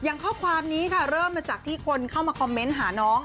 ข้อความนี้ค่ะเริ่มมาจากที่คนเข้ามาคอมเมนต์หาน้อง